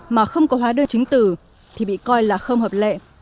mà không có hóa đơn chứng tử thì bị coi là không hợp lệ